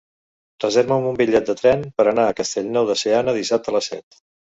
Reserva'm un bitllet de tren per anar a Castellnou de Seana dissabte a les set.